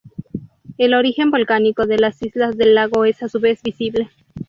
El origen volcánico de las islas del lago es a su vez visible.